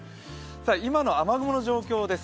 今の雨雲の状況です。